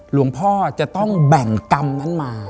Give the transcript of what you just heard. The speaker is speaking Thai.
หลวงพ่อจะต้องแบ่งกรรมนั้นมา